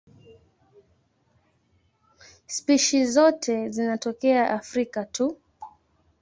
Spishi zote zinatokea Afrika tu.